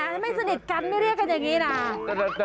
ไม่สนิทกันไม่เรียกกันอย่างนี้นะ